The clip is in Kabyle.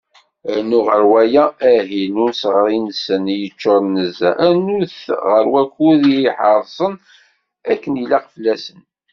Rnu ɣer waya, ahil n useɣri-nsen i yeččuren nezzeh, rnu-t ɣer wakud i iḥeṛṣen akken ilaq fell-asen.